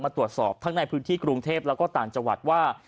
ตรวจสอบทั้งในพื้นที่กรุงเทพแล้วก็ต่างจังหวัดว่า